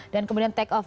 dan kemudian take off